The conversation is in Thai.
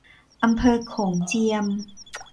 อำเภอโขงเจียม